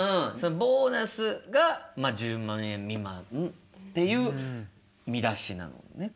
ボーナスが１０万円未満っていう見出しなのね。